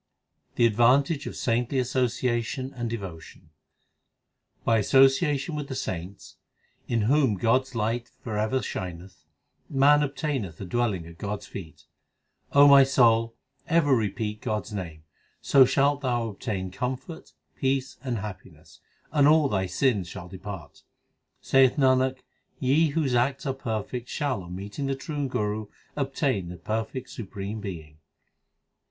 The advantage of saintly association and devo tion : By association with the saints, in whom God s light for ever shineth, Man obtaineth a dwelling at God s feet. O my soul, ever repeat God s name, So shalt thou obtain comfort, peace, and happiness ; and all thy sins shall depart. Saith Nanak, ye whose acts are perfect Shall on meeting the true Guru obtain the perfect supreme Being.